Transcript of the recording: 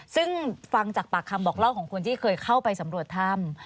ซึ่งฟังจากปากคำบอกเล่าของคนที่เคยเข้าไปสำรวจถ้ำ